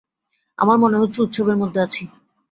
আমার মনে হচ্ছে উৎসবের মধ্যে আছি।